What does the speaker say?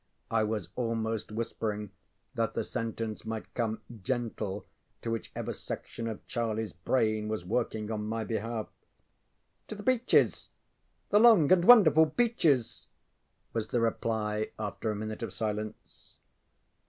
ŌĆØ I was almost whispering that the sentence might come gentle to whichever section of CharlieŌĆÖs brain was working on my behalf. ŌĆ£To the Beaches the Long and Wonderful Beaches! ŌĆØ was the reply, after a minute of silence.